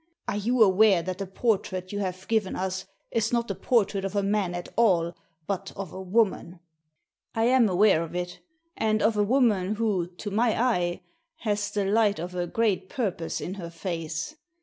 Are you aware that the portrait you have given us is not the portrait of a man at all, but of a woman ?"" I am aware of it, and of a woman who, to my eye, has the light of a great purpose in her face.